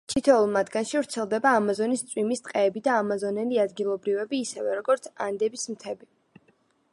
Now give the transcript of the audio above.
თითოეულ მათგანში ვრცელდება ამაზონის წვიმის ტყეები და ამაზონელი ადგილობრივები, ისევე როგორც ანდების მთები.